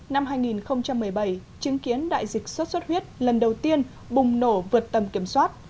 năm hai nghìn một mươi bảy chứng kiến đại dịch sốt xuất huyết lần đầu tiên bùng nổ vượt tầm kiểm soát